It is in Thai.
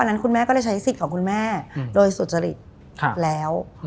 นั้นคุณแม่ก็เลยใช้สิทธิ์ของคุณแม่โดยสุจริตแล้ว